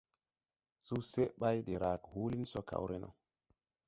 Suseʼ bày de rage huulin so kaw re no.